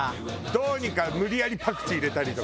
どうにか無理やりパクチー入れたりとか。